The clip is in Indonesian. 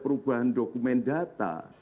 perubahan dokumen data